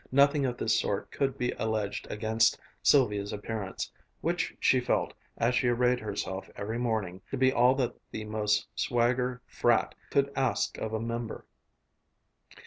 Nothing of this sort could be alleged against Sylvia's appearance, which she felt, as she arrayed herself every morning, to be all that the most swagger frat could ask of a member.